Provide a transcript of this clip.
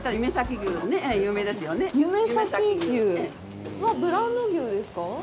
夢咲牛は、ブランド牛ですか？